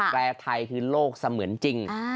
แปรไทยคือโลกเสมือนจริง